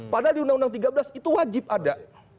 padahal di undang undang tiga belas itu wajib ada